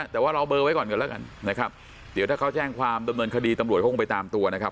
แต่ว่าเราเบอร์ไว้ก่อนกันแล้วกันนะครับเดี๋ยวถ้าเขาแจ้งความดำเนินคดีตำรวจเขาคงไปตามตัวนะครับ